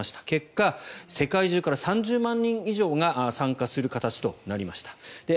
結果、世界中から３０万人以上が参加する形となりました。